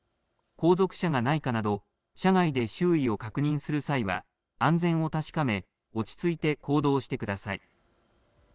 後続車がないかなど車外で周囲を確認する際は安全を確かめ落ち着いて行動してください。